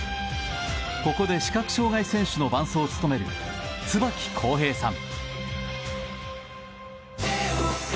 ここで視覚障害選手の伴走を務める椿浩平さん。